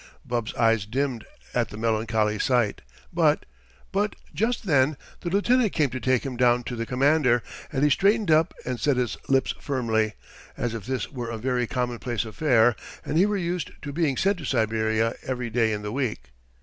Bub's eyes dimmed at the melancholy sight, but—but just then the lieutenant came to take him down to the commander, and he straightened up and set his lips firmly, as if this were a very commonplace affair and he were used to being sent to Siberia every day in the week.